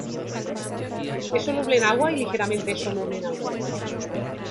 Es soluble en agua y ligeramente soluble en alcohol.